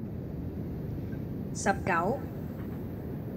十九